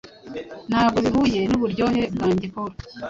Ntabwo bihuye nuburyohe bwanjye_paul